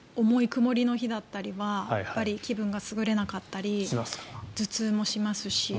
曇りの日だったりは気分がすぐれなかったり頭痛もしますし。